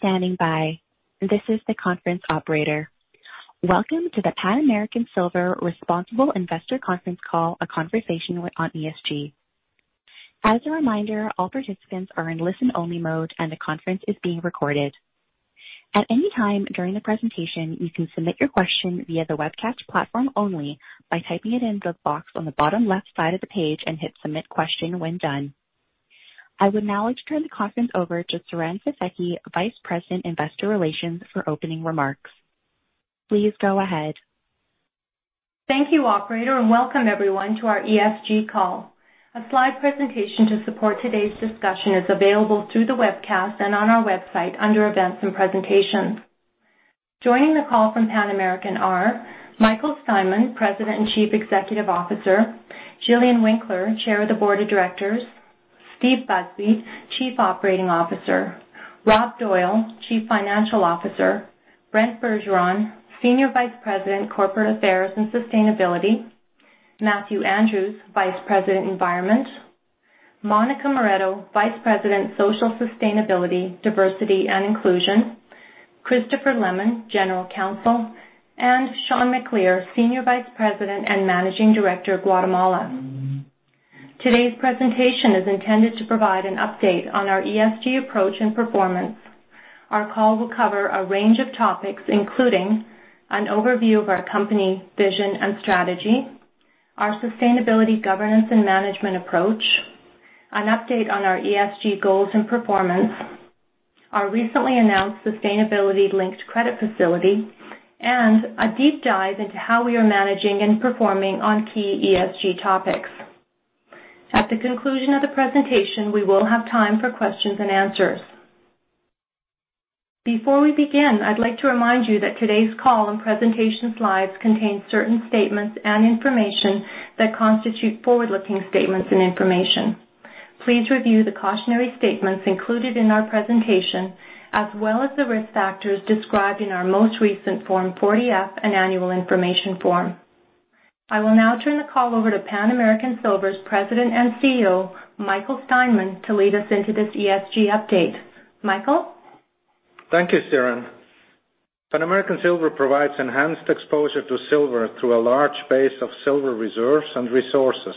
Thank you for standing by. This is the conference operator. Welcome to the Pan American Silver Responsible Investor Conference Call, a conversation on ESG. As a reminder, all participants are in listen-only mode, and the conference is being recorded. At any time during the presentation, you can submit your question via the webcast platform only by typing it into the box on the bottom left side of the page and hit Submit Question when done. I would now like to turn the conference over to Siren Fisekci, Vice President, Investor Relations, for opening remarks. Please go ahead. Thank you, operator. Welcome everyone to our ESG call. A slide presentation to support today's discussion is available through the webcast and on our website under Events & Presentations. Joining the call from Pan American are Michael Steinmann, President and Chief Executive Officer, Gillian Winckler, Chair of the Board of Directors, Steve Busby, Chief Operating Officer, Rob Doyle, Chief Financial Officer, Brent Bergeron, Senior Vice President, Corporate Affairs and Sustainability, Matthew Andrews, Vice President, Environment, Monica Moretto, Vice President, Social Sustainability, Diversity and Inclusion, Christopher Lemon, General Counsel, and Sean McAleer, Senior Vice President and Managing Director, Guatemala. Today's presentation is intended to provide an update on our ESG approach and performance. Our call will cover a range of topics, including an overview of our company vision and strategy, our sustainability governance and management approach, an update on our ESG goals and performance, our recently announced sustainability-linked credit facility, and a deep dive into how we are managing and performing on key ESG topics. At the conclusion of the presentation, we will have time for questions and answers. Before we begin, I'd like to remind you that today's call and presentation slides contain certain statements and information that constitute forward-looking statements and information. Please review the cautionary statements included in our presentation, as well as the risk factors described in our most recent Form 40-F and annual information form. I will now turn the call over to Pan American Silver's President and CEO, Michael Steinmann, to lead us into this ESG update. Michael? Thank you, Siren. Pan American Silver provides enhanced exposure to silver through a large base of silver reserves and resources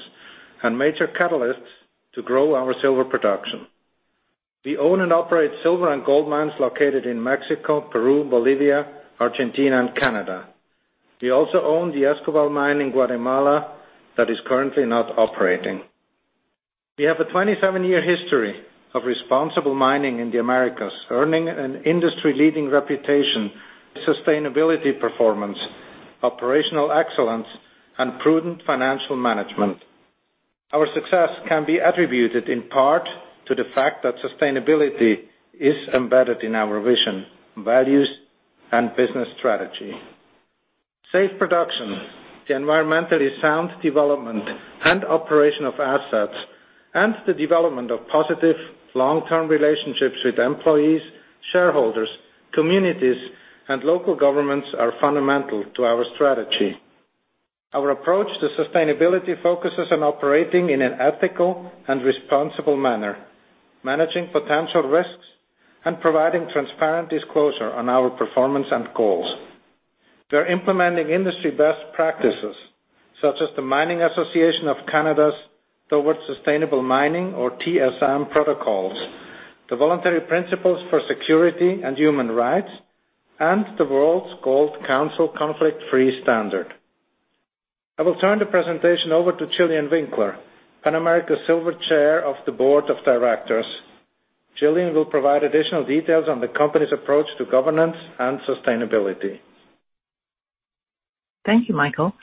and major catalysts to grow our silver production. We own and operate silver and gold mines located in Mexico, Peru, Bolivia, Argentina, and Canada. We also own the Escobal mine in Guatemala that is currently not operating. We have a 27-year history of responsible mining in the Americas, earning an industry-leading reputation, sustainability performance, operational excellence, and prudent financial management. Our success can be attributed in part to the fact that sustainability is embedded in our vision, values, and business strategy. Safe production, the environmentally sound development and operation of assets, and the development of positive long-term relationships with employees, shareholders, communities, and local governments are fundamental to our strategy. Our approach to sustainability focuses on operating in an ethical and responsible manner, managing potential risks, and providing transparent disclosure on our performance and goals. We are implementing industry best practices such as the Mining Association of Canada's Towards Sustainable Mining, or TSM protocols, the Voluntary Principles on Security and Human Rights, and the World Gold Council Conflict-Free Standard. I will turn the presentation over to Gillian Winckler, Pan American Silver Chair of the Board of Directors. Gillian will provide additional details on the company's approach to governance and sustainability. Thank you, Michael.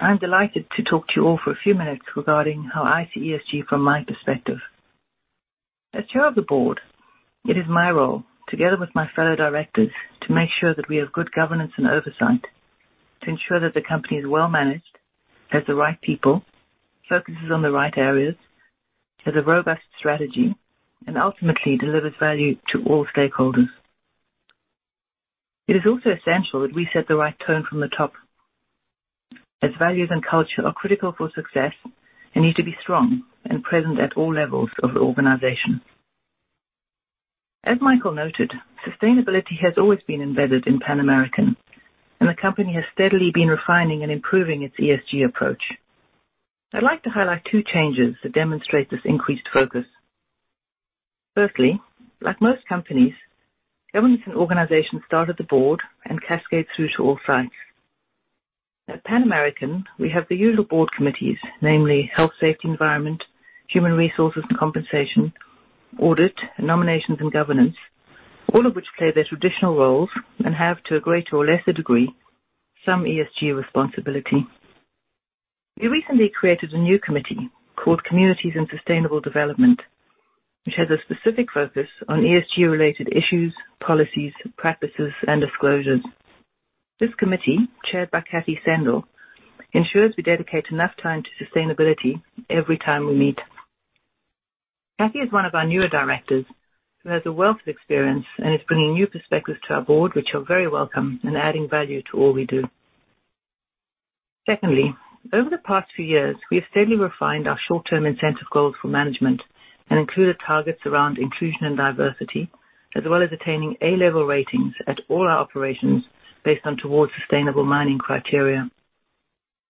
I'm delighted to talk to you all for a few minutes regarding how I see ESG from my perspective. As Chair of the Board, it is my role, together with my fellow directors, to make sure that we have good governance and oversight to ensure that the company is well-managed, has the right people, focuses on the right areas, has a robust strategy, and ultimately delivers value to all stakeholders. It is also essential that we set the right tone from the top, as values and culture are critical for success and need to be strong and present at all levels of the organization. As Michael noted, sustainability has always been embedded in Pan American, and the company has steadily been refining and improving its ESG approach. I'd like to highlight two changes that demonstrate this increased focus. Firstly, like most companies, governance and organization start at the board and cascade through to all sites. At Pan American, we have the usual board committees, namely Health, Safety, Environment, Human Resources and Compensation, Audit, and Nominations and Governance, all of which play their traditional roles and have, to a greater or lesser degree, some ESG responsibility. We recently created a new committee called Communities and Sustainable Development, which has a specific focus on ESG-related issues, policies, practices, and disclosures. This committee, chaired by Kathleen Sendall, ensures we dedicate enough time to sustainability every time we meet. Kathleen is one of our newer directors who has a wealth of experience and is bringing new perspectives to our board, which are very welcome in adding value to all we do. Secondly, over the past few years, we have steadily refined our short-term incentive goals for management and included targets around inclusion and diversity, as well as attaining A-level ratings at all our operations based on Towards Sustainable Mining criteria.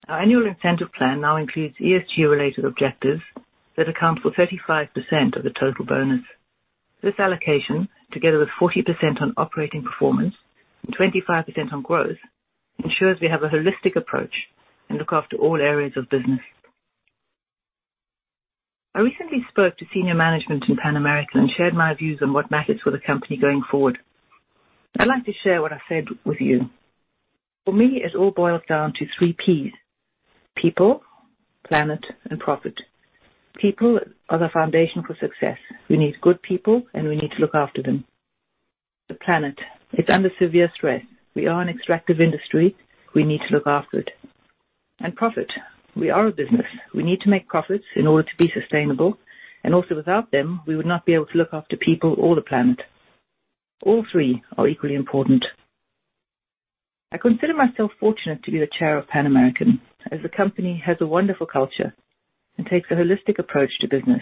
Our annual incentive plan now includes ESG related objectives that account for 35% of the total bonus. This allocation, together with 40% on operating performance and 25% on growth, ensures we have a holistic approach and look after all areas of business. I recently spoke to senior management in Pan American and shared my views on what matters for the company going forward. I'd like to share what I said with you. For me, it all boils down to PPPs, people, planet, and profit. People are the foundation for success. We need good people, and we need to look after them. The planet, it's under severe stress. We are an extractive industry. We need to look after it. Profit. We are a business. We need to make profits in order to be sustainable, and also without them, we would not be able to look after people or the planet. All three are equally important. I consider myself fortunate to be the chair of Pan American, as the company has a wonderful culture and takes a holistic approach to business.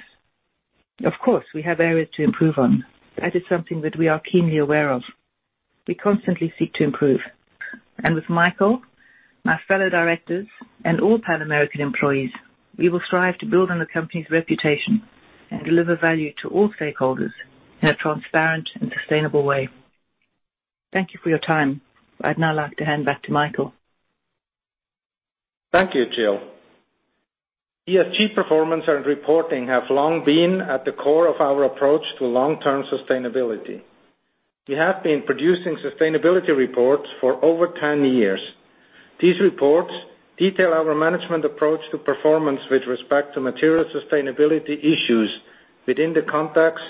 Of course, we have areas to improve on. That is something that we are keenly aware of. We constantly seek to improve. With Michael, my fellow directors, and all Pan American employees, we will strive to build on the company's reputation and deliver value to all stakeholders in a transparent and sustainable way. Thank you for your time. I'd now like to hand back to Michael. Thank you, Gill. ESG performance and reporting have long been at the core of our approach to long-term sustainability. We have been producing sustainability reports for over 10 years. These reports detail our management approach to performance with respect to material sustainability issues within the context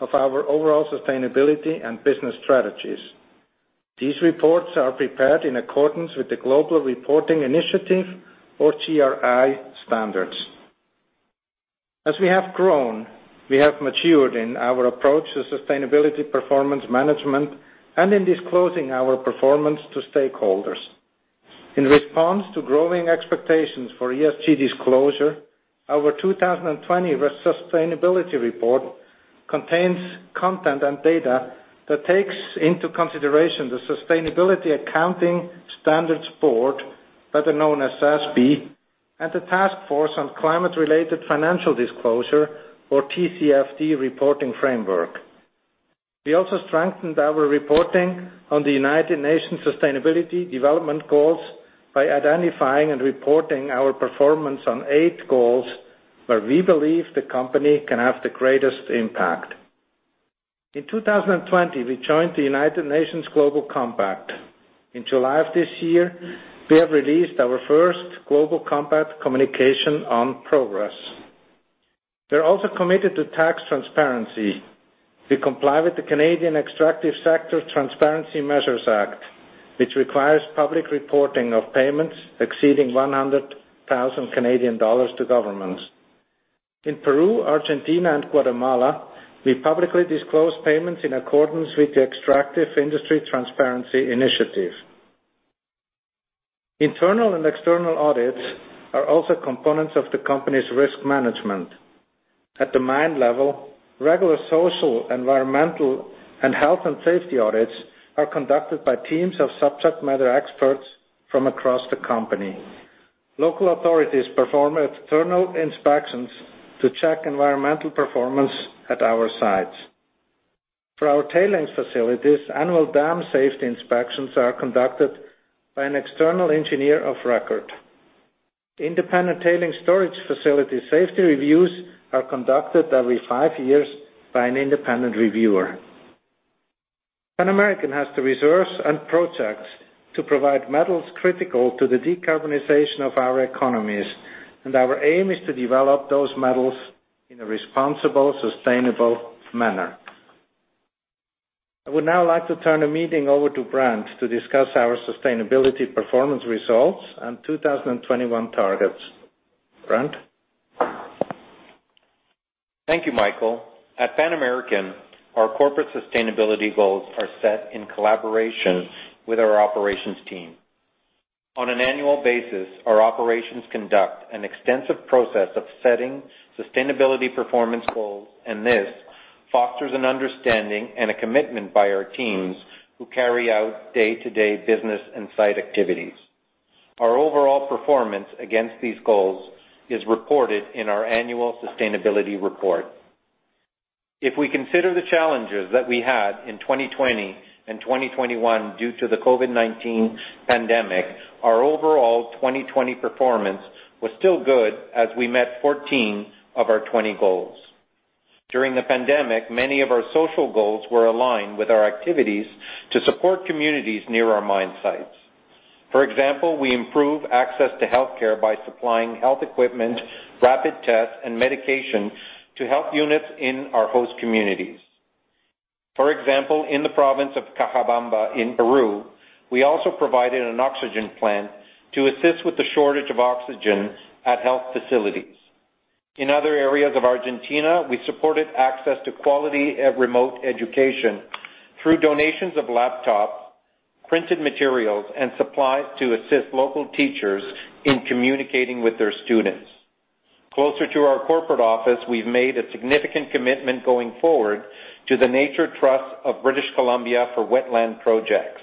of our overall sustainability and business strategies. These reports are prepared in accordance with the Global Reporting Initiative or GRI standards. As we have grown, we have matured in our approach to sustainability performance management and in disclosing our performance to stakeholders. In response to growing expectations for ESG disclosure, our 2020 sustainability report contains content and data that takes into consideration the Sustainability Accounting Standards Board, better known as SASB, and the Task Force on Climate-related Financial Disclosures, or TCFD, reporting framework. We also strengthened our reporting on the United Nations Sustainable Development Goals by identifying and reporting our performance on eight goals where we believe the company can have the greatest impact. In 2020, we joined the United Nations Global Compact. In July of this year, we have released our first Global Compact communication on progress. We're also committed to tax transparency. We comply with the Canadian Extractive Sector Transparency Measures Act, which requires public reporting of payments exceeding 100,000 Canadian dollars to governments. In Peru, Argentina, and Guatemala, we publicly disclose payments in accordance with the Extractive Industries Transparency Initiative. Internal and external audits are also components of the company's risk management. At the mine level, regular social, environmental, and health and safety audits are conducted by teams of subject matter experts from across the company. Local authorities perform external inspections to check environmental performance at our sites. For our tailings facilities, annual dam safety inspections are conducted by an external engineer of record. Independent tailings storage facility safety reviews are conducted every five years by an independent reviewer. Pan American has the reserves and projects to provide metals critical to the decarbonization of our economies, and our aim is to develop those metals in a responsible, sustainable manner. I would now like to turn the meeting over to Brent to discuss our sustainability performance results and 2021 targets. Brent? Thank you, Michael. At Pan American, our corporate sustainability goals are set in collaboration with our operations team. On an annual basis, our operations conduct an extensive process of setting sustainability performance goals. This fosters an understanding and a commitment by our teams who carry out day-to-day business and site activities. Our overall performance against these goals is reported in our annual sustainability report. If we consider the challenges that we had in 2020 and 2021 due to the COVID-19 pandemic, our overall 2020 performance was still good as we met 14 of our 20 goals. During the pandemic, many of our social goals were aligned with our activities to support communities near our mine sites. For example, we improve access to healthcare by supplying health equipment, rapid tests, and medication to health units in our host communities. For example, in the province of Cajamarca in Peru, we also provided an oxygen plant to assist with the shortage of oxygen at health facilities. In other areas of Argentina, we supported access to quality remote education through donations of laptops, printed materials, and supplies to assist local teachers in communicating with their students. Closer to our corporate office, we've made a significant commitment going forward to The Nature Trust of British Columbia for wetland projects.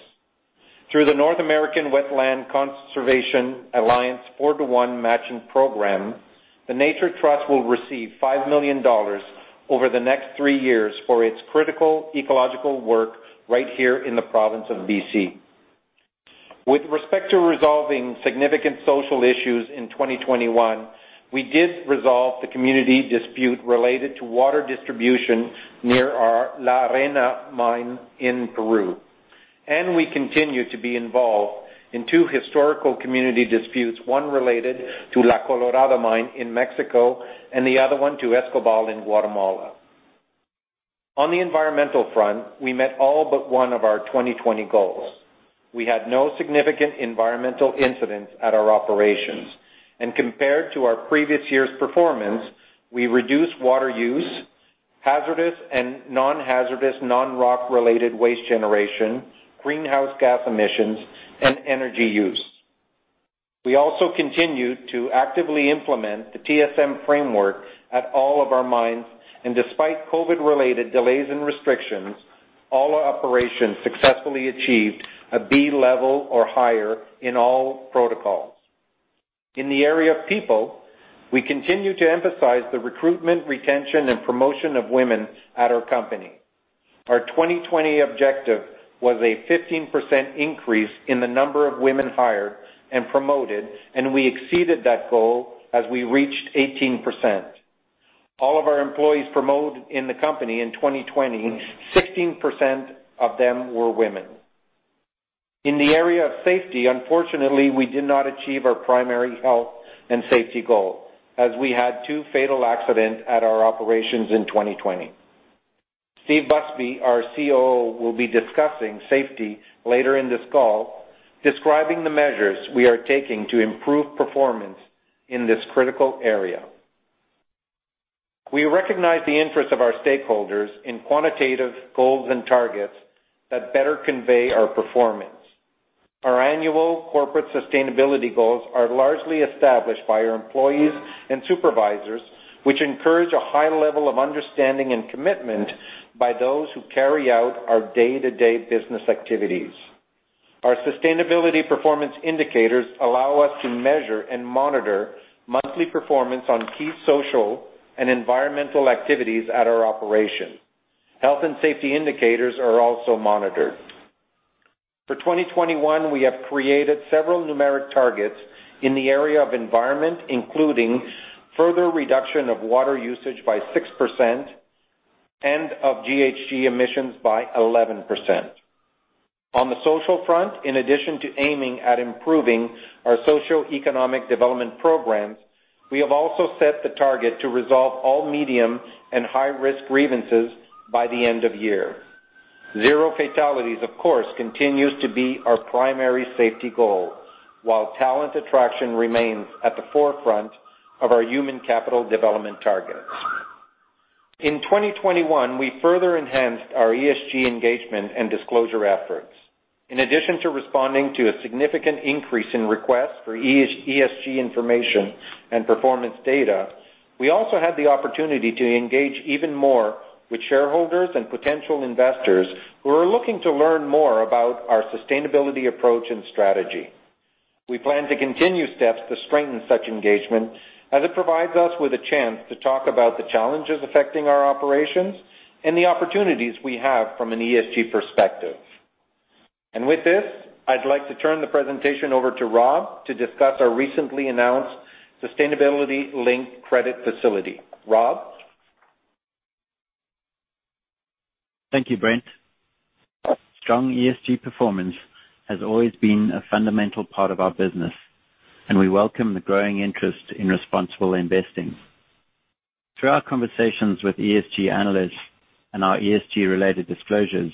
Through the North American Wetland Conservation Alliance four-to-one matching program, The Nature Trust will receive 5 million dollars over the next three years for its critical ecological work right here in the province of B.C. With respect to resolving significant social issues in 2021, we did resolve the community dispute related to water distribution near our La Arena mine in Peru, and we continue to be involved in two historical community disputes, one related to La Colorada mine in Mexico, and the other one to Escobal in Guatemala. On the environmental front, we met all but one of our 2020 goals. We had no significant environmental incidents at our operations. Compared to our previous year's performance, we reduced water use, hazardous and non-hazardous, non-rock related waste generation, greenhouse gas emissions, and energy use. We also continued to actively implement the TSM framework at all of our mines, and despite COVID related delays and restrictions, all our operations successfully achieved a B level or higher in all protocols. In the area of people, we continue to emphasize the recruitment, retention, and promotion of women at our company. Our 2020 objective was a 15% increase in the number of women hired and promoted, and we exceeded that goal as we reached 18%. All of our employees promoted in the company in 2020, 16% of them were women. In the area of safety, unfortunately, we did not achieve our primary health and safety goal as we had two fatal accidents at our operations in 2020. Steve Busby, our COO, will be discussing safety later in this call, describing the measures we are taking to improve performance in this critical area. We recognize the interest of our stakeholders in quantitative goals and targets that better convey our performance. Our annual corporate sustainability goals are largely established by our employees and supervisors, which encourage a high level of understanding and commitment by those who carry out our day-to-day business activities. Our sustainability performance indicators allow us to measure and monitor monthly performance on key social and environmental activities at our operation. Health and safety indicators are also monitored. For 2021, we have created several numeric targets in the area of environment, including further reduction of water usage by 6% and of GHG emissions by 11%. On the social front, in addition to aiming at improving our socioeconomic development programs, we have also set the target to resolve all medium and high risk grievances by the end of year. Zero fatalities, of course, continues to be our primary safety goal while talent attraction remains at the forefront of our human capital development targets. In 2021, we further enhanced our ESG engagement and disclosure efforts. In addition to responding to a significant increase in requests for ESG information and performance data, we also had the opportunity to engage even more with shareholders and potential investors who are looking to learn more about our sustainability approach and strategy. We plan to continue steps to strengthen such engagement as it provides us with a chance to talk about the challenges affecting our operations and the opportunities we have from an ESG perspective. With this, I'd like to turn the presentation over to Rob to discuss our recently announced sustainability-linked credit facility. Rob? Thank you, Brent. Strong ESG performance has always been a fundamental part of our business. We welcome the growing interest in responsible investing. Through our conversations with ESG analysts and our ESG-related disclosures,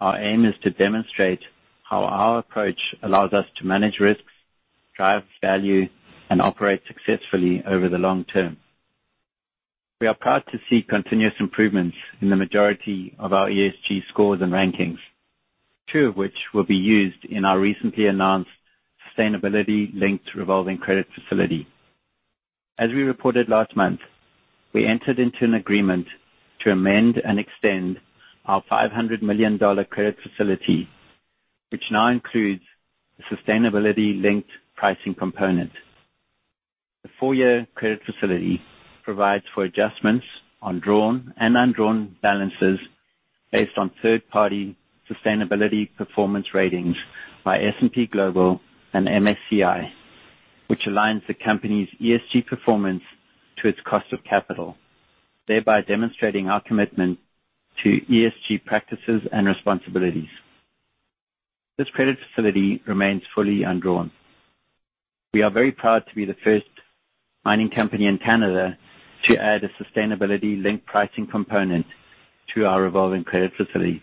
our aim is to demonstrate how our approach allows us to manage risks, drive value, and operate successfully over the long term. We are proud to see continuous improvements in the majority of our ESG scores and rankings, two of which will be used in our recently announced sustainability-linked revolving credit facility. As we reported last month, we entered into an agreement to amend and extend our $500 million credit facility, which now includes a sustainability-linked pricing component. The four-year credit facility provides for adjustments on drawn and undrawn balances based on third-party sustainability performance ratings by S&P Global and MSCI, which aligns the company's ESG performance to its cost of capital, thereby demonstrating our commitment to ESG practices and responsibilities. This credit facility remains fully undrawn. We are very proud to be the first mining company in Canada to add a sustainability-linked pricing component to our revolving credit facility.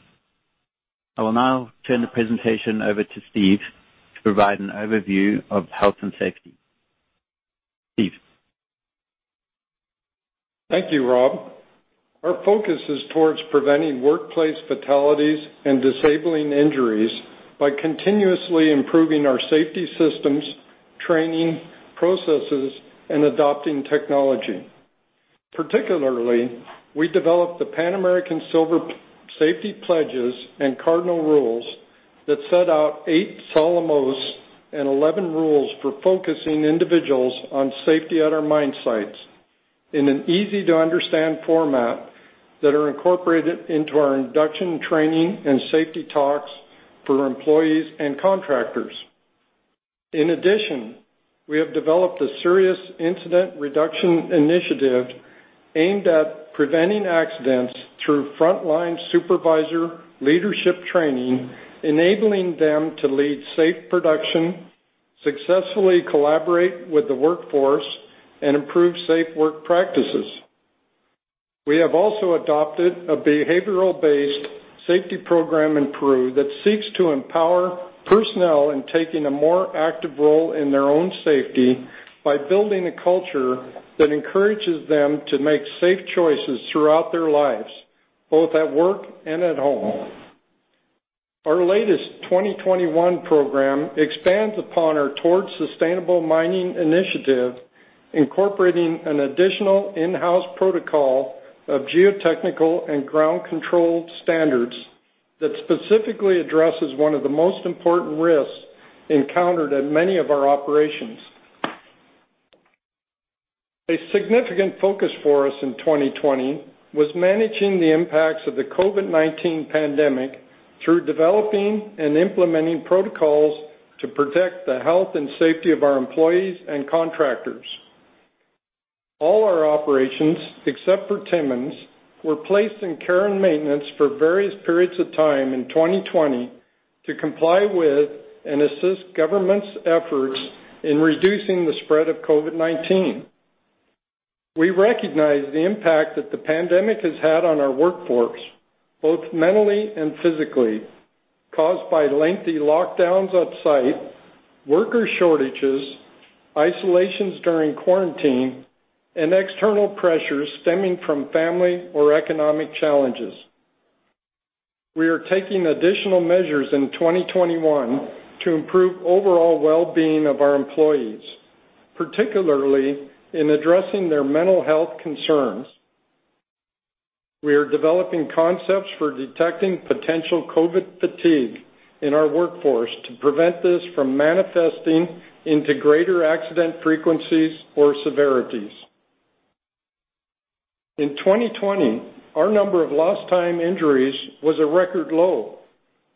I will now turn the presentation over to Steve to provide an overview of health and safety. Steve? Thank you, Rob. Our focus is towards preventing workplace fatalities and disabling injuries by continuously improving our safety systems, training, processes, and adopting technology. Particularly, we developed the Pan American Silver safety pledges and cardinal rules that set out eight solemn oaths and 11 rules for focusing individuals on safety at our mine sites in an easy-to-understand format that are incorporated into our induction training and safety talks for employees and contractors. In addition, we have developed a serious incident reduction initiative aimed at preventing accidents through frontline supervisor leadership training, enabling them to lead safe production, successfully collaborate with the workforce, and improve safe work practices. We have also adopted a behavioral-based safety program in Peru that seeks to empower personnel in taking a more active role in their own safety by building a culture that encourages them to make safe choices throughout their lives, both at work and at home. Our latest 2021 program expands upon our Towards Sustainable Mining initiative, incorporating an additional in-house protocol of geotechnical and ground control standards that specifically addresses one of the most important risks encountered at many of our operations. A significant focus for us in 2020 was managing the impacts of the COVID-19 pandemic through developing and implementing protocols to protect the health and safety of our employees and contractors. All our operations, except for Timmins, were placed in care and maintenance for various periods of time in 2020 to comply with and assist governments' efforts in reducing the spread of COVID-19. We recognize the impact that the pandemic has had on our workforce, both mentally and physically, caused by lengthy lockdowns on site, worker shortages, isolations during quarantine, and external pressures stemming from family or economic challenges. We are taking additional measures in 2021 to improve overall well-being of our employees, particularly in addressing their mental health concerns. We are developing concepts for detecting potential COVID fatigue in our workforce to prevent this from manifesting into greater accident frequencies or severities. In 2020, our number of lost time injuries was a record low,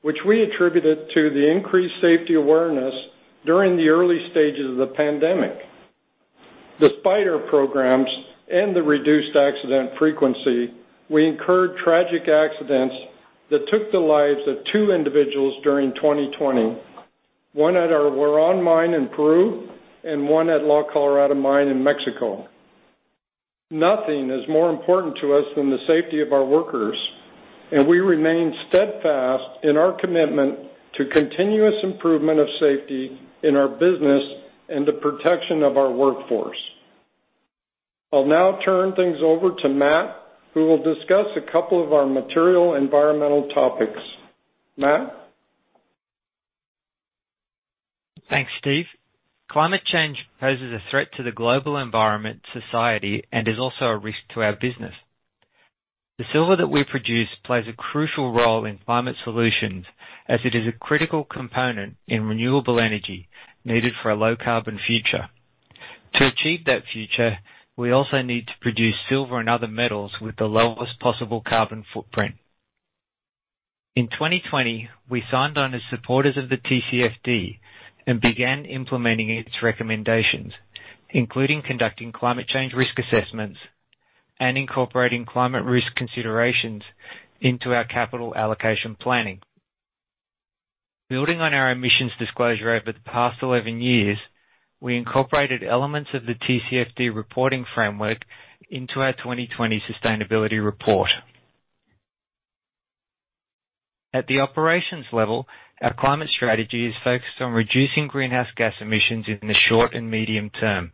which we attributed to the increased safety awareness during the early stages of the pandemic. Despite our programs and the reduced accident frequency, we incurred tragic accidents that took the lives of two individuals during 2020, one at our Huaron mine in Peru and one at La Colorada mine in Mexico. Nothing is more important to us than the safety of our workers, and we remain steadfast in our commitment to continuous improvement of safety in our business and the protection of our workforce. I'll now turn things over to Matt, who will discuss a couple of our material environmental topics. Matt? Thanks, Steve. Climate change poses a threat to the global environment, society, and is also a risk to our business. The silver that we produce plays a crucial role in climate solutions as it is a critical component in renewable energy needed for a low carbon future. To achieve that future, we also need to produce silver and other metals with the lowest possible carbon footprint. In 2020, we signed on as supporters of the TCFD and began implementing its recommendations, including conducting climate change risk assessments and incorporating climate risk considerations into our capital allocation planning. Building on our emissions disclosure over the past 11 years, we incorporated elements of the TCFD reporting framework into our 2020 sustainability report. At the operations level, our climate strategy is focused on reducing greenhouse gas emissions in the short and medium term.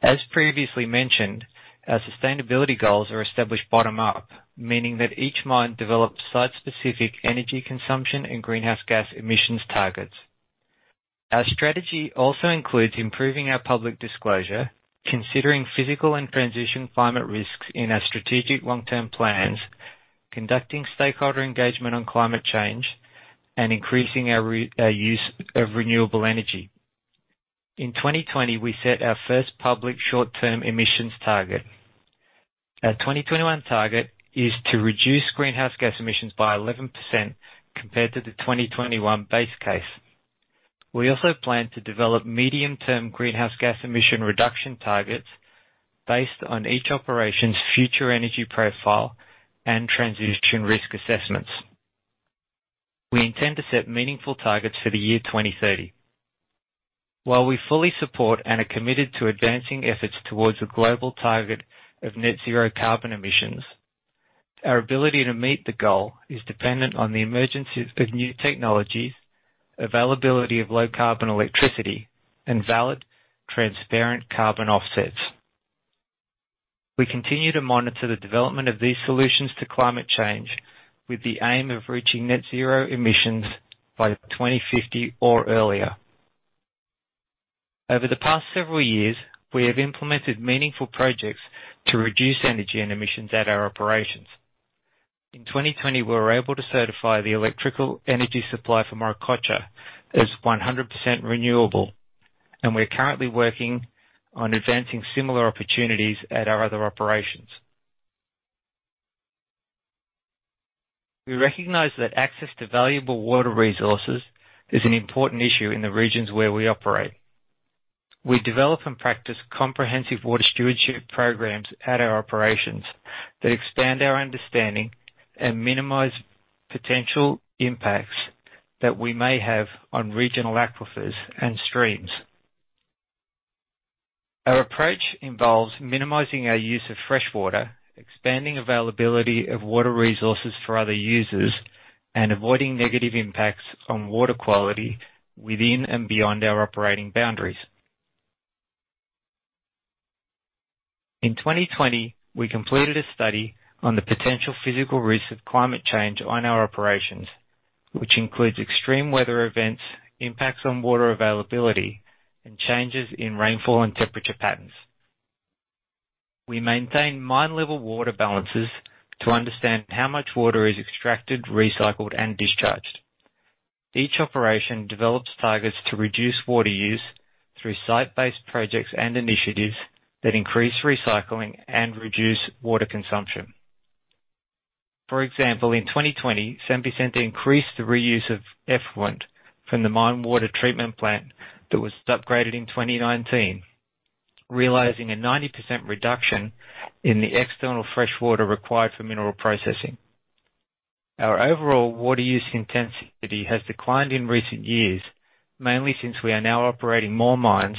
As previously mentioned, our sustainability goals are established bottom up, meaning that each mine develops site-specific energy consumption and greenhouse gas emissions targets. Our strategy also includes improving our public disclosure, considering physical and transition climate risks in our strategic long-term plans, conducting stakeholder engagement on climate change, and increasing our use of renewable energy. In 2020, we set our first public short-term emissions target. Our 2021 target is to reduce greenhouse gas emissions by 11% compared to the 2021 base case. We also plan to develop medium-term greenhouse gas emission reduction targets based on each operation's future energy profile and transition risk assessments. We intend to set meaningful targets for the year 2030. While we fully support and are committed to advancing efforts towards a global target of net zero carbon emissions, our ability to meet the goal is dependent on the emergence of new technologies, availability of low carbon electricity, and valid, transparent carbon offsets. We continue to monitor the development of these solutions to climate change with the aim of reaching net zero emissions by 2050 or earlier. Over the past several years, we have implemented meaningful projects to reduce energy and emissions at our operations. In 2020, we were able to certify the electrical energy supply for Morococha as 100% renewable, and we are currently working on advancing similar opportunities at our other operations. We recognize that access to valuable water resources is an important issue in the regions where we operate. We develop and practice comprehensive water stewardship programs at our operations that expand our understanding and minimize potential impacts that we may have on regional aquifers and streams. Our approach involves minimizing our use of fresh water, expanding availability of water resources for other users, and avoiding negative impacts on water quality within and beyond our operating boundaries. In 2020, we completed a study on the potential physical risks of climate change on our operations, which includes extreme weather events, impacts on water availability, and changes in rainfall and temperature patterns. We maintain mine level water balances to understand how much water is extracted, recycled, and discharged. Each operation develops targets to reduce water use through site-based projects and initiatives that increase recycling and reduce water consumption. For example, in 2020, San Vicente increased the reuse of effluent from the mine water treatment plant that was upgraded in 2019, realizing a 90% reduction in the external fresh water required for mineral processing. Our overall water use intensity has declined in recent years, mainly since we are now operating more mines.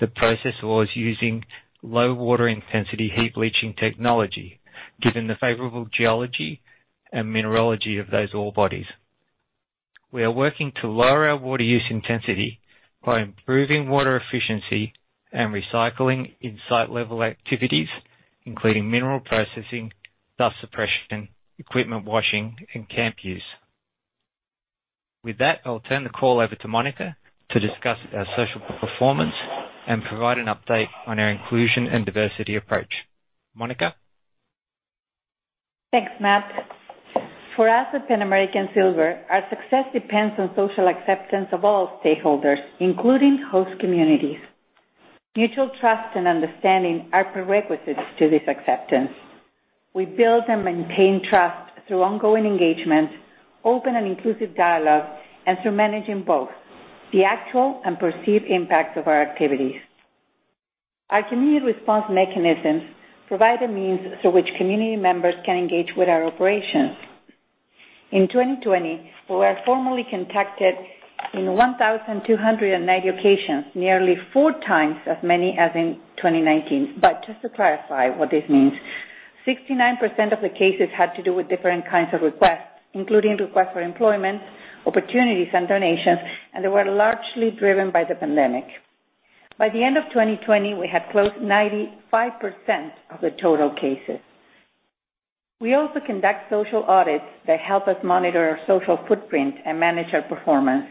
The process was using low water intensity heap leaching technology, given the favorable geology and mineralogy of those ore bodies. We are working to lower our water use intensity by improving water efficiency and recycling in site level activities, including mineral processing, dust suppression, equipment washing, and camp use. With that, I'll turn the call over to Monica to discuss our social performance and provide an update on our inclusion and diversity approach. Monica? Thanks, Matt. For us at Pan American Silver, our success depends on social acceptance of all stakeholders, including host communities. Mutual trust and understanding are prerequisites to this acceptance. We build and maintain trust through ongoing engagement, open and inclusive dialogue, and through managing both the actual and perceived impacts of our activities. Our community response mechanisms provide a means through which community members can engage with our operations. In 2020, we were formally contacted in 1,290 occasions, nearly 4x as many as in 2019. Just to clarify what this means, 69% of the cases had to do with different kinds of requests, including requests for employment opportunities and donations, and they were largely driven by the pandemic. By the end of 2020, we had closed 95% of the total cases. We also conduct social audits that help us monitor our social footprint and manage our performance.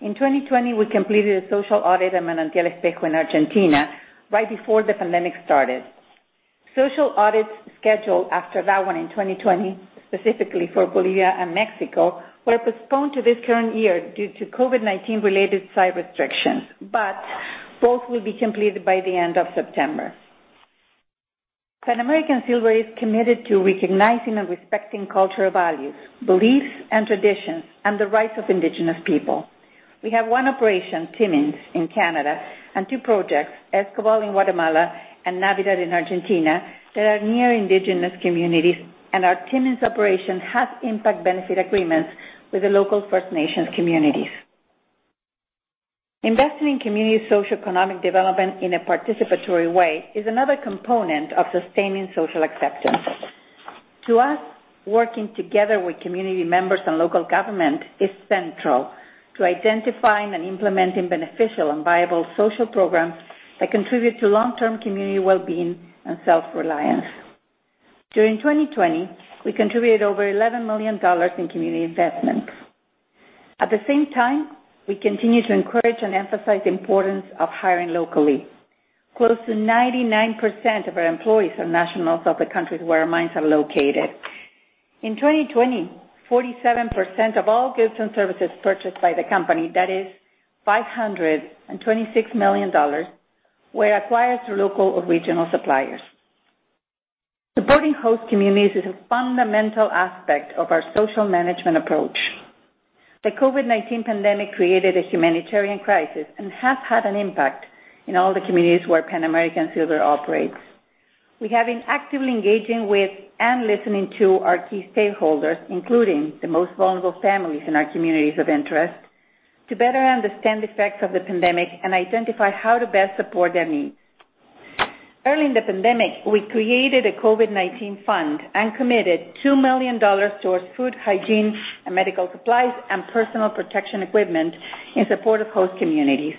In 2020, we completed a social audit at Manantial Espejo in Argentina right before the pandemic started. Social audits scheduled after that one in 2020, specifically for Bolivia and Mexico, were postponed to this current year due to COVID-19 related site restrictions, but both will be completed by the end of September. Pan American Silver is committed to recognizing and respecting cultural values, beliefs and traditions, and the rights of indigenous people. We have one operation, Timmins in Canada, and two projects, Escobal in Guatemala and Navidad in Argentina, that are near indigenous communities. Our Timmins operation has impact benefit agreements with the local First Nations communities. Investing in community socioeconomic development in a participatory way is another component of sustaining social acceptance. To us, working together with community members and local government is central to identifying and implementing beneficial and viable social programs that contribute to long-term community well-being and self-reliance. During 2020, we contributed over 11 million dollars in community investments. At the same time, we continue to encourage and emphasize the importance of hiring locally. Close to 99% of our employees are nationals of the countries where our mines are located. In 2020, 47% of all goods and services purchased by the company, that is 526 million dollars, were acquired through local or regional suppliers. Supporting host communities is a fundamental aspect of our social management approach. The COVID-19 pandemic created a humanitarian crisis and has had an impact in all the communities where Pan American Silver operates. We have been actively engaging with and listening to our key stakeholders, including the most vulnerable families in our communities of interest, to better understand the effects of the pandemic and identify how to best support their needs. Early in the pandemic, we created a COVID-19 fund and committed 2 million dollars towards food, hygiene, and medical supplies, and personal protection equipment in support of host communities.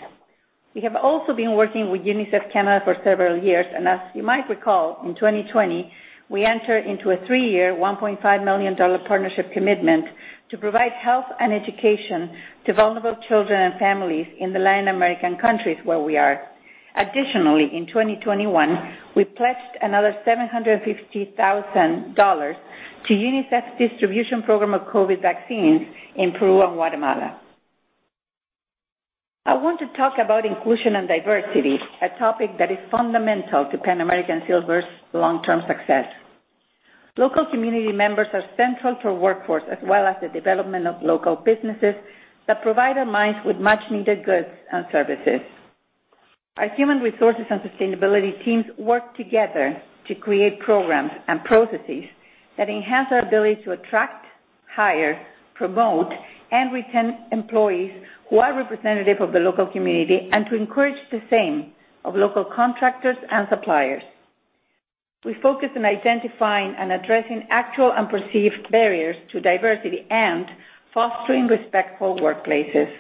We have also been working with UNICEF Canada for several years, and as you might recall, in 2020, we entered into a three-year, 1.5 million dollar partnership commitment to provide health and education to vulnerable children and families in the Latin American countries where we are. Additionally, in 2021, we pledged another 750,000 dollars to UNICEF's distribution program of COVID vaccines in Peru and Guatemala. I want to talk about inclusion and diversity, a topic that is fundamental to Pan American Silver's long-term success. Local community members are central to our workforce as well as the development of local businesses that provide our mines with much needed goods and services. Our human resources and sustainability teams work together to create programs and processes that enhance our ability to attract, hire, promote, and retain employees who are representative of the local community and to encourage the same of local contractors and suppliers. We focus on identifying and addressing actual and perceived barriers to diversity and fostering respectful workplaces.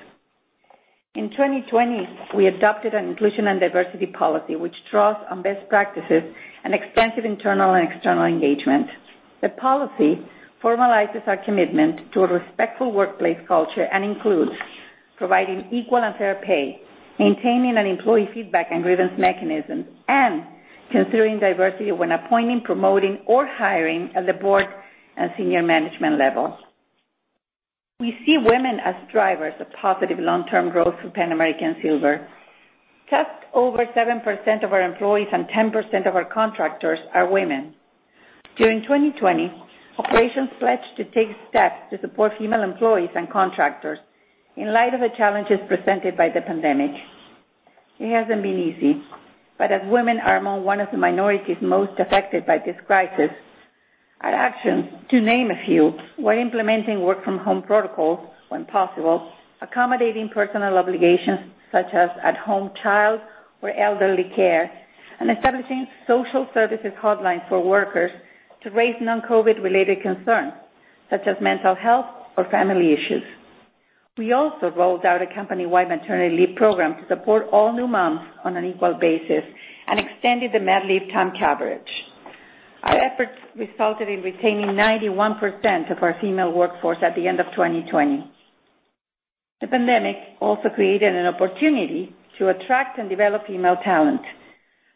In 2020, we adopted an Inclusion and Diversity Policy which draws on best practices and extensive internal and external engagement. The policy formalizes our commitment to a respectful workplace culture and includes providing equal and fair pay, maintaining an employee feedback and grievance mechanism, and considering diversity when appointing, promoting, or hiring at the board and senior management level. We see women as drivers of positive long-term growth for Pan American Silver. Just over 7% of our employees and 10% of our contractors are women. During 2020, operations pledged to take steps to support female employees and contractors in light of the challenges presented by the pandemic. It hasn't been easy, but as women are among one of the minorities most affected by this crisis, our actions, to name a few, were implementing work from home protocols when possible, accommodating personal obligations such as at-home child or elderly care, and establishing social services hotline for workers to raise non-COVID-19 related concerns such as mental health or family issues. We also rolled out a company-wide maternity leave program to support all new moms on an equal basis and extended the med leave time coverage. Our efforts resulted in retaining 91% of our female workforce at the end of 2020. The pandemic also created an opportunity to attract and develop female talent.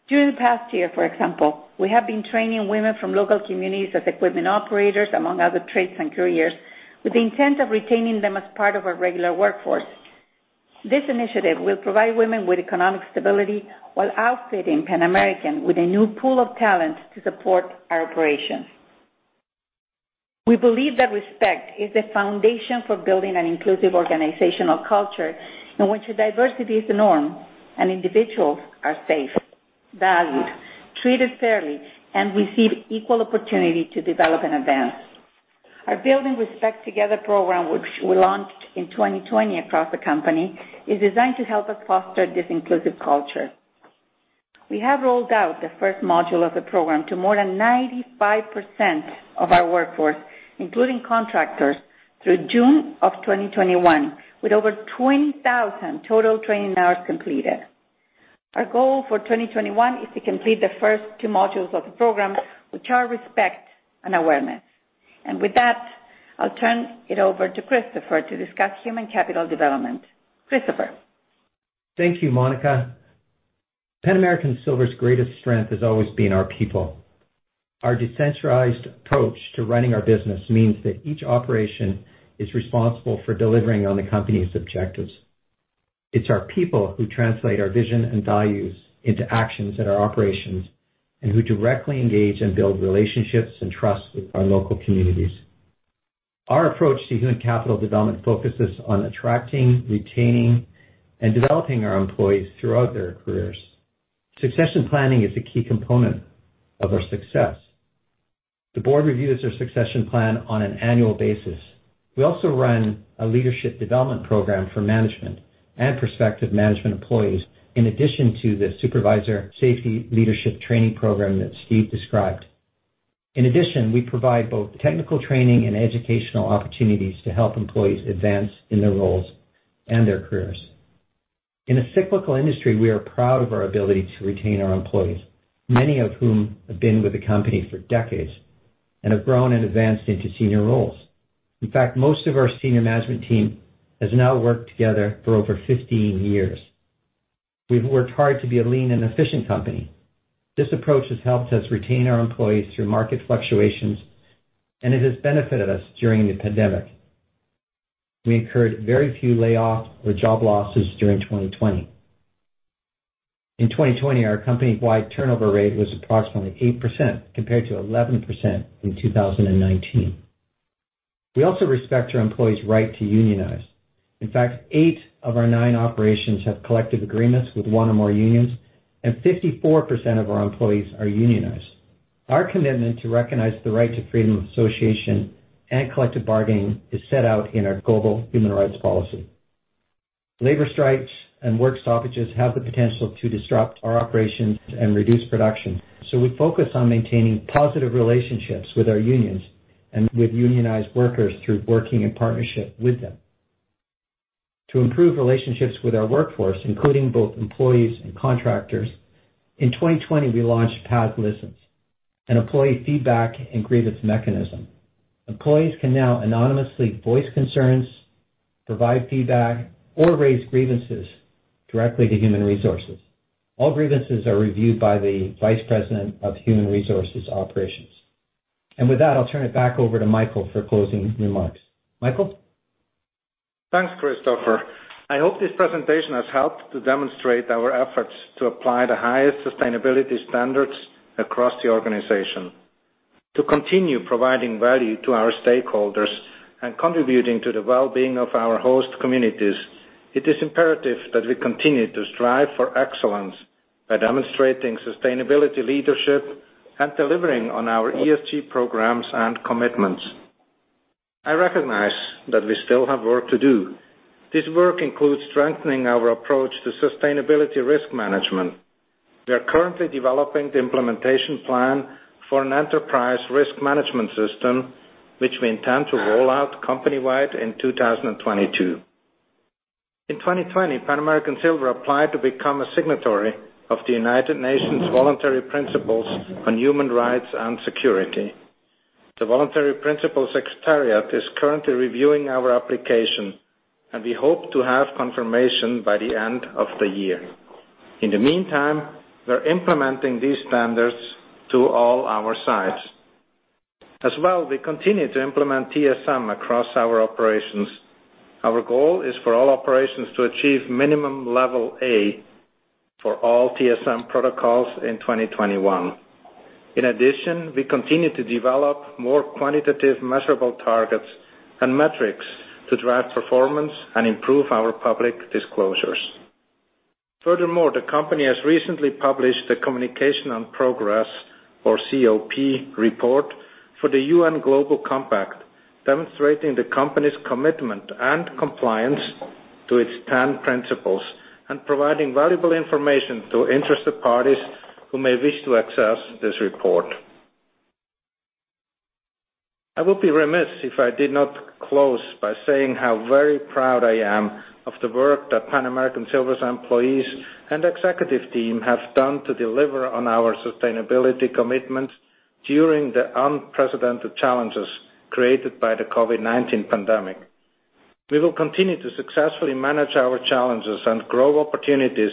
During the past year, for example, we have been training women from local communities as equipment operators, among other trades and careers, with the intent of retaining them as part of our regular workforce. This initiative will provide women with economic stability while outfitting Pan American with a new pool of talent to support our operations. We believe that respect is the foundation for building an inclusive organizational culture in which diversity is the norm and individuals are safe, valued, treated fairly, and receive equal opportunity to develop and advance. Our Building Respect Together program, which we launched in 2020 across the company, is designed to help us foster this inclusive culture. We have rolled out the first module of the program to more than 95% of our workforce, including contractors, through June of 2021, with over 20,000 total training hours completed. Our goal for 2021 is to complete the first two modules of the program, which are respect and awareness. With that, I'll turn it over to Christopher to discuss human capital development. Christopher? Thank you, Monica. Pan American Silver's greatest strength has always been our people. Our decentralized approach to running our business means that each operation is responsible for delivering on the company's objectives. It's our people who translate our vision and values into actions at our operations and who directly engage and build relationships and trust with our local communities. Our approach to human capital development focuses on attracting, retaining, and developing our employees throughout their careers. Succession planning is a key component of our success. The board reviews our succession plan on an annual basis. We also run a leadership development program for management and prospective management employees in addition to the supervisor safety leadership training program that Steve described. In addition, we provide both technical training and educational opportunities to help employees advance in their roles and their careers. In a cyclical industry, we are proud of our ability to retain our employees, many of whom have been with the company for decades and have grown and advanced into senior roles. In fact, most of our senior management team has now worked together for over 15 years. We've worked hard to be a lean and efficient company. This approach has helped us retain our employees through market fluctuations, and it has benefited us during the pandemic. We incurred very few layoffs or job losses during 2020. In 2020, our company-wide turnover rate was approximately 8% compared to 11% in 2019. We also respect our employees' right to unionize. In fact, eight of our nine operations have collective agreements with one or more unions, and 54% of our employees are unionized. Our commitment to recognize the right to freedom of association and collective bargaining is set out in our global human rights policy. Labor strikes and work stoppages have the potential to disrupt our operations and reduce production. We focus on maintaining positive relationships with our unions and with unionized workers through working in partnership with them. To improve relationships with our workforce, including both employees and contractors, in 2020, we launched PAAS Listens, an employee feedback and grievance mechanism. Employees can now anonymously voice concerns, provide feedback, or raise grievances directly to human resources. All grievances are reviewed by the vice president of human resources operations. With that, I'll turn it back over to Michael for closing remarks. Michael? Thanks, Christopher. I hope this presentation has helped to demonstrate our efforts to apply the highest sustainability standards across the organization. To continue providing value to our stakeholders and contributing to the well-being of our host communities, it is imperative that we continue to strive for excellence by demonstrating sustainability leadership and delivering on our ESG programs and commitments. I recognize that we still have work to do. This work includes strengthening our approach to sustainability risk management. We are currently developing the implementation plan for an enterprise risk management system, which we intend to roll out company-wide in 2022. In 2020, Pan American Silver applied to become a signatory of the United Nations Voluntary Principles on human rights and security. The Voluntary Principles Secretariat is currently reviewing our application, and we hope to have confirmation by the end of the year. In the meantime, we're implementing these standards to all our sites. As well, we continue to implement TSM across our operations. Our goal is for all operations to achieve minimum level A for all TSM protocols in 2021. We continue to develop more quantitative measurable targets and metrics to drive performance and improve our public disclosures. The company has recently published a communication on progress, or COP report, for the UN Global Compact, demonstrating the company's commitment and compliance to its 10 principles and providing valuable information to interested parties who may wish to access this report. I would be remiss if I did not close by saying how very proud I am of the work that Pan American Silver's employees and executive team have done to deliver on our sustainability commitments during the unprecedented challenges created by the COVID-19 pandemic. We will continue to successfully manage our challenges and grow opportunities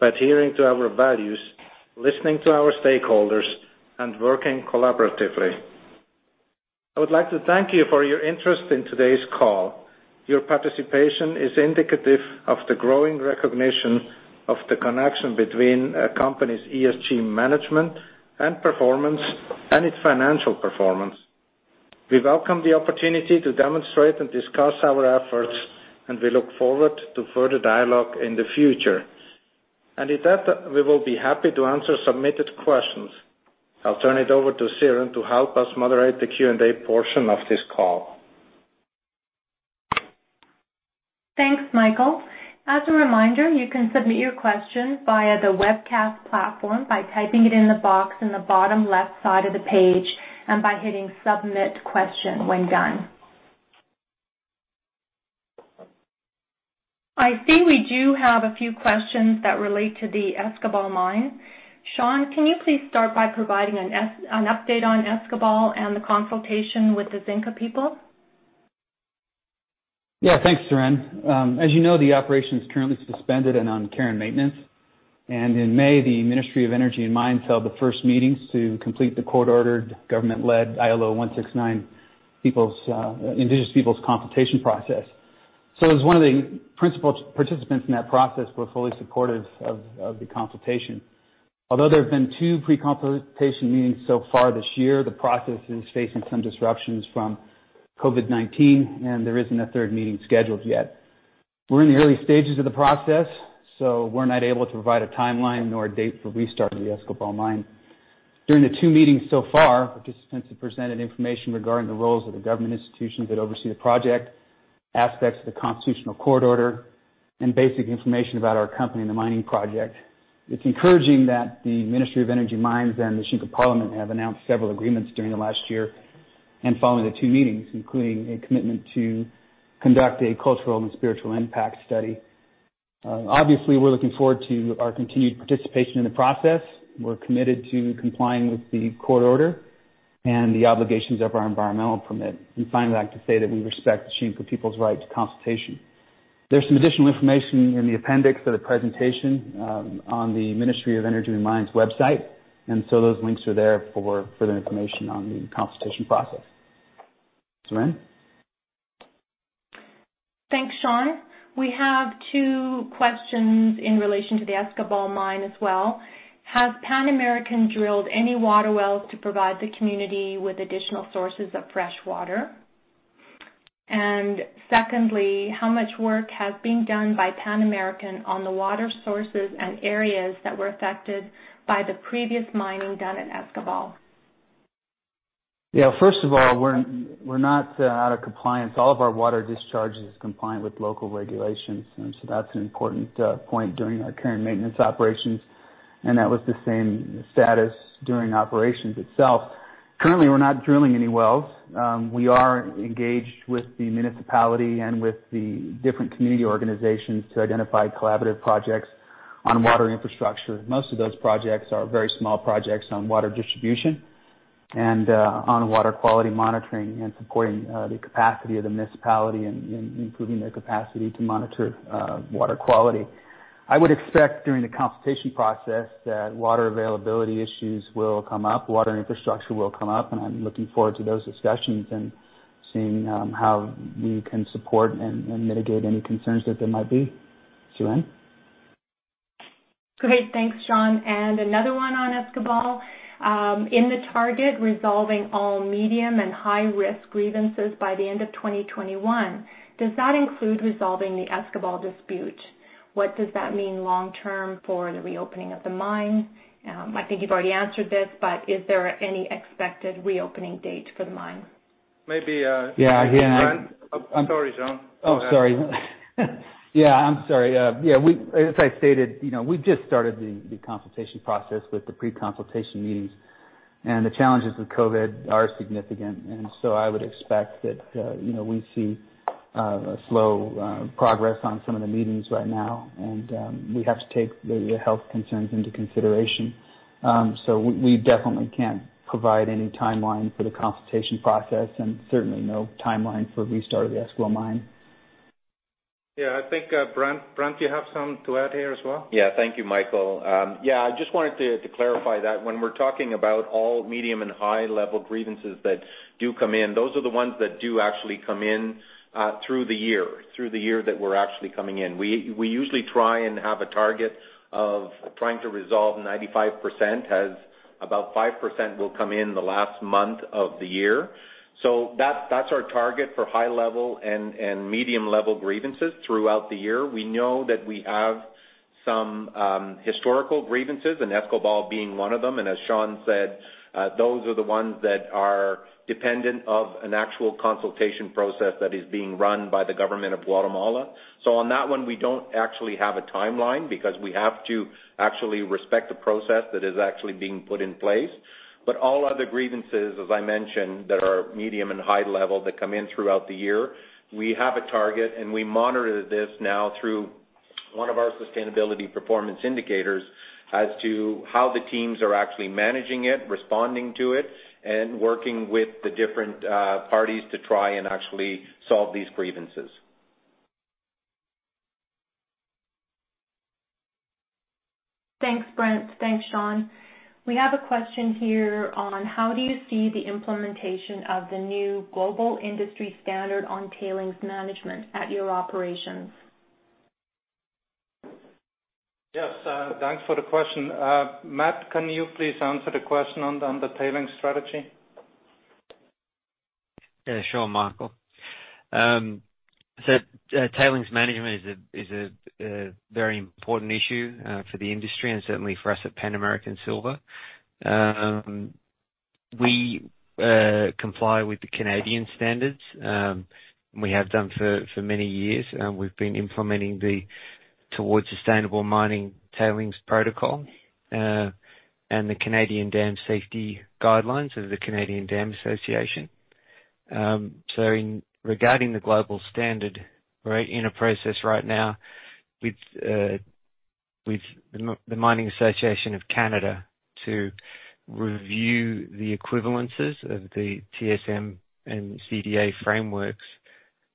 by adhering to our values, listening to our stakeholders, and working collaboratively. I would like to thank you for your interest in today's call. Your participation is indicative of the growing recognition of the connection between a company's ESG management and performance and its financial performance. We welcome the opportunity to demonstrate and discuss our efforts, and we look forward to further dialogue in the future. With that, we will be happy to answer submitted questions. I'll turn it over to Siren to help us moderate the Q&A portion of this call. Thanks, Michael. As a reminder, you can submit your question via the webcast platform by typing it in the box in the bottom left side of the page and by hitting Submit Question when done. I see we do have a few questions that relate to the Escobal mine. Sean, can you please start by providing an update on Escobal and the consultation with the Xinka People? Yeah. Thanks, Siren. As you know, the operation is currently suspended and on care and maintenance. In May, the Ministry of Energy and Mines held the first meetings to complete the court-ordered, government-led ILO 169 Indigenous Peoples' consultation process. As one of the principal participants in that process, we're fully supportive of the consultation. Although there have been two pre-consultation meetings so far this year, the process is facing some disruptions from COVID-19, and there isn't a third meeting scheduled yet. We're in the early stages of the process, so we're not able to provide a timeline nor a date for restart of the Escobal mine. During the two meetings so far, participants have presented information regarding the roles of the government institutions that oversee the project, aspects of the constitutional court order, and basic information about our company and the mining project. It's encouraging that the Ministry of Energy and Mines and the Xinka Parliament have announced several agreements during the last year and following the two meetings, including a commitment to conduct a cultural and spiritual impact study. Obviously, we're looking forward to our continued participation in the process. We're committed to complying with the court order and the obligations of our environmental permit. Finally, I'd like to say that we respect the Xinka Peoples right to consultation. There's some additional information in the appendix of the presentation on the Ministry of Energy and Mines website. Those links are there for further information on the consultation process. Siren? Thanks, Sean. We have two questions in relation to the Escobal mine as well. Has Pan American drilled any water wells to provide the community with additional sources of fresh water? Secondly, how much work has been done by Pan American on the water sources and areas that were affected by the previous mining done at Escobal? First of all, we're not out of compliance. All of our water discharge is compliant with local regulations. That's an important point during our current maintenance operations, and that was the same status during operations itself. Currently, we're not drilling any wells. We are engaged with the municipality and with the different community organizations to identify collaborative projects on water infrastructure. Most of those projects are very small projects on water distribution and on water quality monitoring and supporting the capacity of the municipality in improving their capacity to monitor water quality. I would expect during the consultation process that water availability issues will come up, water infrastructure will come up, and I'm looking forward to those discussions and seeing how we can support and mitigate any concerns that there might be. Siren? Great. Thanks, Sean. Another one on Escobal. In the target, resolving all medium and high risk grievances by the end of 2021, does that include resolving the Escobal dispute? What does that mean long term for the reopening of the mine? I think you've already answered this, but is there any expected reopening date for the mine? Maybe. Yeah. Sorry, Sean. Oh, sorry. Yeah. I'm sorry. As I stated, we just started the consultation process with the pre-consultation meetings, and the challenges with COVID are significant. I would expect that we see a slow progress on some of the meetings right now, and we have to take the health concerns into consideration. We definitely can't provide any timeline for the consultation process and certainly no timeline for restart of the Escobal mine. Yeah, I think, Brent, you have some to add here as well? Thank you, Michael. I just wanted to clarify that when we're talking about all medium and high level grievances that do come in, those are the ones that do actually come in through the year. We usually try and have a target of trying to resolve 95%, as about 5% will come in the last month of the year. That's our target for high level and medium level grievances throughout the year. We know that we have some historical grievances, and Escobal being one of them. As Sean said, those are the ones that are dependent of an actual consultation process that is being run by the government of Guatemala. On that one, we don't actually have a timeline because we have to actually respect the process that is actually being put in place. All other grievances, as I mentioned, that are medium and high level that come in throughout the year, we have a target, and we monitor this now through one of our sustainability performance indicators as to how the teams are actually managing it, responding to it, and working with the different parties to try and actually solve these grievances. Thanks, Brent. Thanks, Sean. We have a question here on how do you see the implementation of the new global industry standard on tailings management at your operations? Yes. Thanks for the question. Matt, can you please answer the question on the tailings strategy? Yeah, sure, Michael. Tailings management is a very important issue for the industry and certainly for us at Pan American Silver. We comply with the Canadian standards. We have done for many years. We've been implementing the Towards Sustainable Mining Tailings Protocol and the Canadian Dam Safety Guidelines of the Canadian Dam Association. Regarding the global standard, we're in a process right now with the Mining Association of Canada to review the equivalences of the TSM and CDA frameworks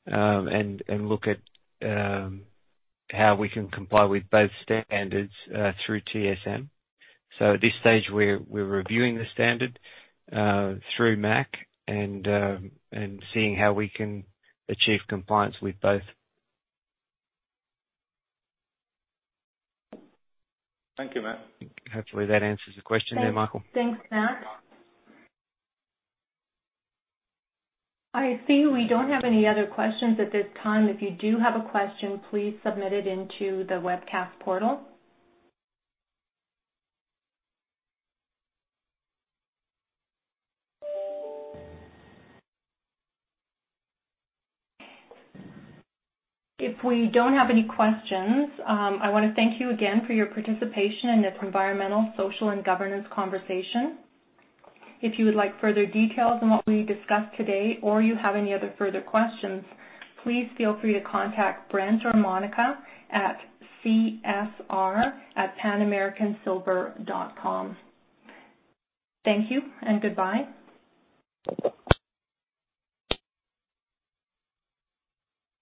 and look at how we can comply with both standards through TSM. At this stage, we're reviewing the standard through MAC and seeing how we can achieve compliance with both. Thank you, Matt. Hopefully that answers the question there, Michael. Thanks, Matt. I see we don't have any other questions at this time. If you do have a question, please submit it into the webcast portal. If we don't have any questions, I want to thank you again for your participation in this environmental, social, and governance conversation. If you would like further details on what we discussed today or you have any other further questions, please feel free to contact Brent or Monica at csr@panamericansilver.com. Thank you and goodbye.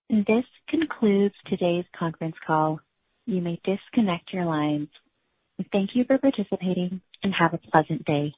This concludes today's conference call. You may disconnect your lines. Thank you for participating, and have a pleasant day.